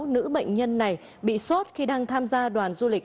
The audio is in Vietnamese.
nữ bệnh nhân này bị sốt khi đang tham gia đoàn du lịch